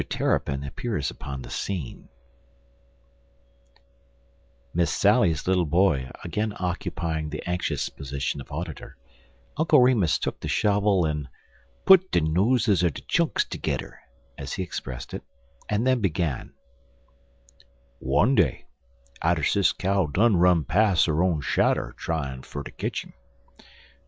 TERRAPIN APPEARS UPON THE SCENE "MISS SALLY'S" little boy again occupying the anxious position of auditor, Uncle Remus took the shovel and "put de noses er de chunks tergedder," as he expressed it, and then began: "One day, atter Sis Cow done run pas' 'er own shadder tryin' fer ter ketch 'im.